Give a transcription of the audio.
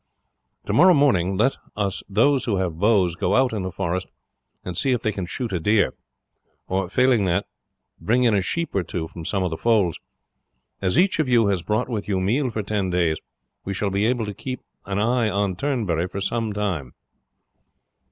Tomorrow morning let those who have bows go out in the forest and see if they can shoot a deer; or failing that, bring in a sheep or two from some of the folds. As each of you has brought with you meal for ten days, we shall be able to keep an eye on Turnberry for some time."